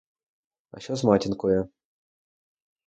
А що з матінкою?